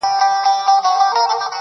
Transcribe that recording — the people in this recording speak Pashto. ورباندي وځړوې~